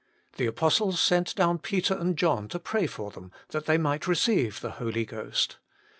The apostles sent down Peter and John to pray for them, that they might receive the Holy Ghost.